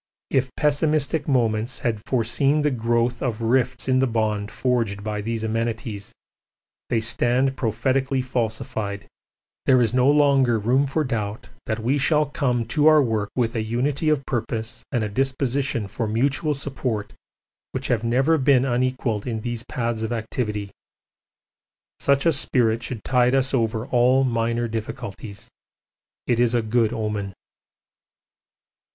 If pessimistic moments had foreseen the growth of rifts in the bond forged by these amenities, they stand prophetically falsified; there is no longer room for doubt that we shall come to our work with a unity of purpose and a disposition for mutual support which have never been equalled in these paths of activity. Such a spirit should tide us [over] all minor difficulties. It is a good omen.